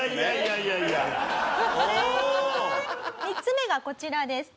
３つ目がこちらです。